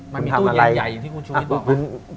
มันมีตู้เย็นใหญ่อย่างที่คุณชุมิตบอกมา